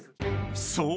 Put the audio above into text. ［そう。